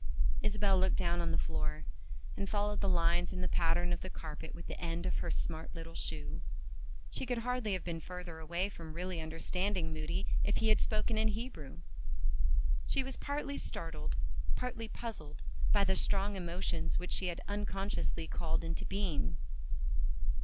Isabel looked down on the floor, and followed the lines in the pattern of the carpet with the end of her smart little shoe. She could hardly have been further away from really understanding Moody if he had spoken in Hebrew. She was partly startled, partly puzzled, by the strong emotions which she had unconsciously called into being.